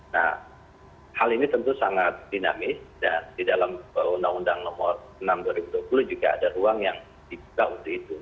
nah hal ini tentu sangat dinamis dan di dalam undang undang nomor enam dua ribu dua puluh juga ada ruang yang dibuka untuk itu